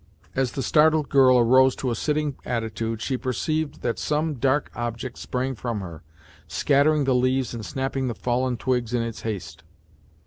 As the startled girl arose to a sitting attitude she perceived that some dark object sprang from her, scattering the leaves and snapping the fallen twigs in its haste.